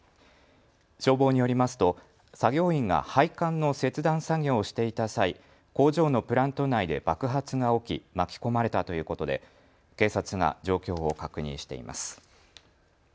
消防によりますと作業員が配管の切断作業をしていた際、工場のプラント内で爆発が起き巻き込まれたということで警察が状況を確認しています。